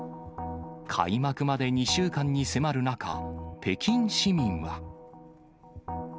開幕まで２週間に迫る中、北京市民は。